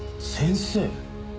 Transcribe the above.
先生？